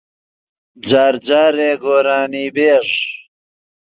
جار جارێ گۆرانیبێژ